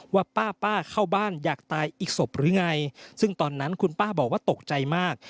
ว่าป้าป้าเข้าบ้านอยากตายอีกศพหรือไงซึ่งตอนนั้นคุณป้าบอกว่าตกใจมาก